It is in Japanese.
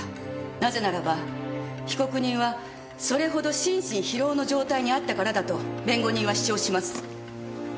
なぜならば被告人はそれほど心身疲労の状態にあったからだと弁護人は主張します。